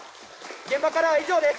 現場からは以上です。